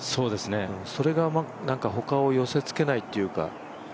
それがほかを寄せつけないというか。